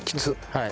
はい。